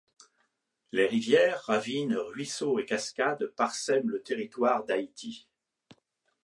Les rivières, ravines, ruisseaux et cascades parsèment le territoire d'Haïti.